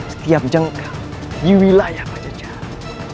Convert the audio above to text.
setiap jangka di wilayah praja jawa